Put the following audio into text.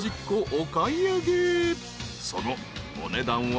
［そのお値段は］